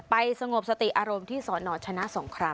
สงบสติอารมณ์ที่สนชนะสงคราม